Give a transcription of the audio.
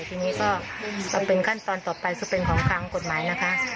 ทีนี้ก็เป็นขั้นตอนต่อไปก็เป็นของทางกฎหมายนะคะ